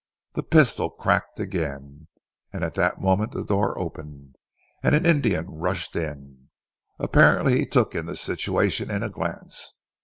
The pistol cracked again, and at that moment the door opened, and an Indian rushed in. Apparently, he took in the situation in a glance.